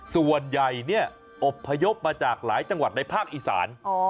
ส่วนใหญ่เนี่ยอบพยพมาจากหลายจังหวัดในภาคอีสาน